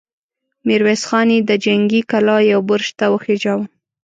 ميرويس خان يې د جنګي کلا يوه برج ته وخېژاوه!